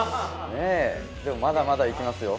まだまだ行きますよ。